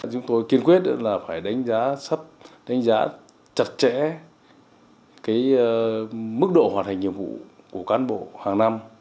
chúng tôi kiên quyết là phải đánh giá sắp đánh giá chặt chẽ cái mức độ hoạt hành nhiệm vụ của cán bộ hàng năm